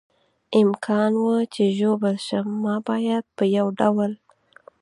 امکان و، چې ژوبل شم، ما باید په یو ډول.